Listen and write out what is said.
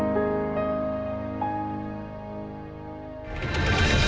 tuhan yang menjaga kita